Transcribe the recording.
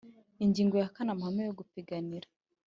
Ingingo ya kane Amahame yo gupiganira